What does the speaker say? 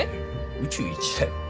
宇宙一だよ？